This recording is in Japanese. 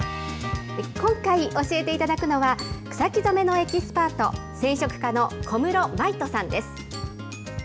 今回教えていただくのは、草木染めのエキスパート、染色家の小室真以人さんです。